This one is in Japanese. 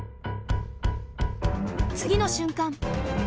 次の瞬間！